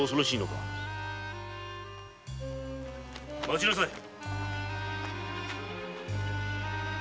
待ちなさい！